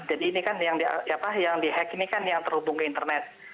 jadi ini kan yang dihack ini kan yang terhubung ke internet